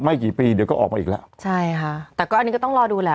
กี่ปีเดี๋ยวก็ออกมาอีกแล้วใช่ค่ะแต่ก็อันนี้ก็ต้องรอดูแหละ